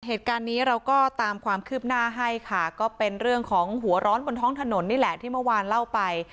เหตุการณ์นี้เราก็ตามความคืบหน้าให้ค่ะก็เป็นเรื่องของหัวร้อนบนท้องถนนนี่แหละที่เมื่อวานเล่าไป